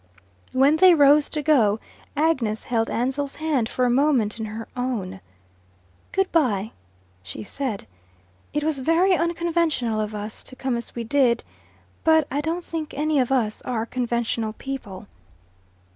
When they rose to go, Agnes held Ansell's hand for a moment in her own. "Good bye," she said. "It was very unconventional of us to come as we did, but I don't think any of us are conventional people."